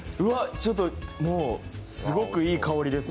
ちょっともう、すごくいい香りです